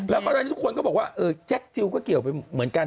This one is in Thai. แล้วก็ตอนนี้ทุกคนก็บอกว่าแจ็คจิลก็เกี่ยวไปเหมือนกัน